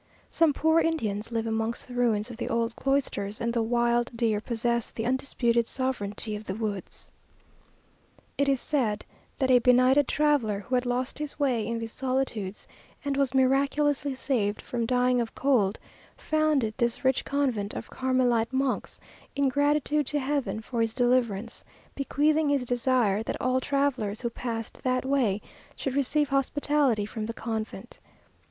Some poor Indians live amongst the ruins of the old cloisters, and the wild deer possess the undisputed sovereignty of the woods. It is said that a benighted traveller, who had lost his way in these solitudes, and was miraculously saved from dying of cold, founded this rich convent of Carmelite monks, in gratitude to Heaven for his deliverance, bequeathing his desire, that all travellers who passed that way should receive hospitality from the convent.